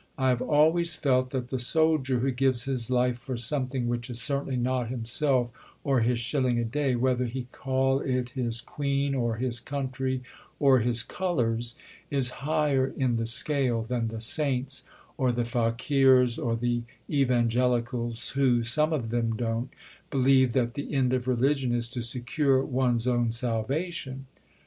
I have always felt that the soldier who gives his life for something which is certainly not himself or his shilling a day whether he call it his Queen or his Country or his Colours is higher in the scale than the Saints or the Faquirs or the Evangelicals who (some of them don't) believe that the end of religion is to secure one's own salvation."